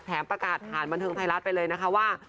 ประกาศผ่านบันเทิงไทยรัฐไปเลยนะคะว่า